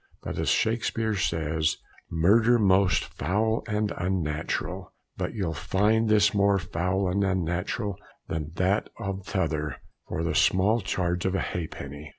But as Shakspeare says, 'Murder most foul and unnatural,' but you'll find this more foul and unnatural than that or the t'other for the small charge of a ha'penny!